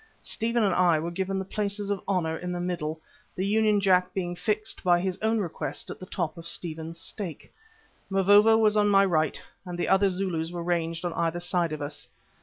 Stephen and I were given the places of honour in the middle, the Union Jack being fixed, by his own request, to the top of Stephen's stake. Mavovo was on my right, and the other Zulus were ranged on either side of us.